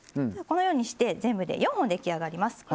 このようにして全部で４本出来上がります。